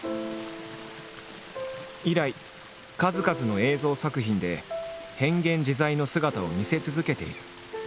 以来数々の映像作品で変幻自在の姿を見せ続けている。